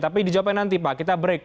tapi dijawabkan nanti pak kita break